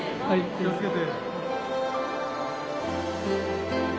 気をつけて。